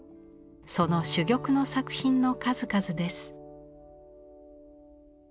その珠玉の作品の数々です。